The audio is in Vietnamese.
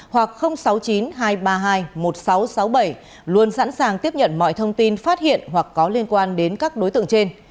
sáu mươi chín hai trăm ba mươi bốn năm nghìn tám trăm sáu mươi hoặc sáu mươi chín hai trăm ba mươi hai một nghìn sáu trăm sáu mươi bảy luôn sẵn sàng tiếp nhận mọi thông tin phát hiện hoặc có liên quan đến các đối tượng trên